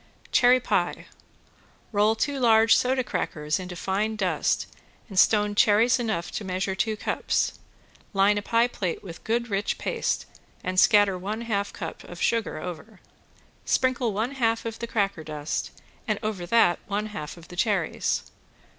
~CHERRY PIE~ Roll two large soda crackers into fine dust and stone cherries enough to measure two cups. Line a pie plate with good rich paste and scatter one half cup of sugar over. Sprinkle one half of the cracker dust, and over that one half of the cherries.